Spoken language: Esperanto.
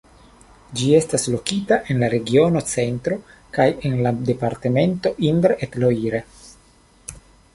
Ĝi estas lokita en la regiono Centro kaj en la departemento Indre-et-Loire.